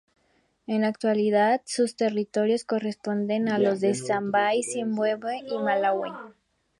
En la actualidad, sus territorios corresponden a los de Zambia, Zimbabue y Malaui.